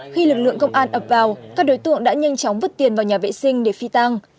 khi lực lượng công an ập vào các đối tượng đã nhanh chóng vứt tiền vào nhà vệ sinh để phi tăng